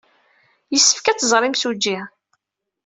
Yessefk ad tẓer imsujji.